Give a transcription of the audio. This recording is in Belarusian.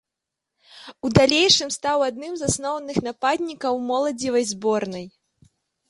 У далейшым стаў адным з асноўных нападнікаў моладзевай зборнай.